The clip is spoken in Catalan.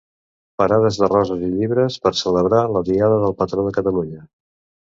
Parades de roses i llibres, per celebrar la diada del patró de Catalunya.